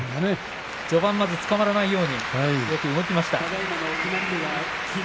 序盤はつかまらないようによく動きました。